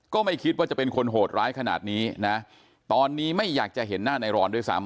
ก็ไม่คิดว่าจะเป็นคนโหดร้ายขนาดนี้นะตอนนี้ไม่อยากจะเห็นหน้าในรอนด้วยซ้ำ